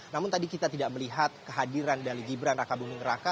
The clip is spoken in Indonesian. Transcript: namun tadi kita tidak melihat kehadiran dari gibran raka buming raka